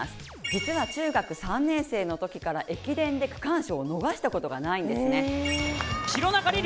実は中学３年生のときから駅伝で区間賞を逃したことがないんですね。